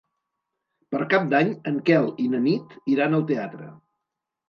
Per Cap d'Any en Quel i na Nit iran al teatre.